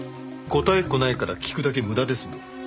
答えっこないから聞くだけ無駄ですもん。